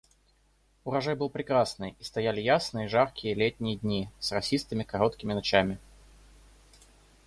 Урожай был прекрасный, и стояли ясные, жаркие летние дни с росистыми короткими ночами.